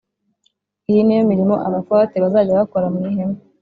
Iyi ni yo mirimo Abakohati bazajya bakora mu ihema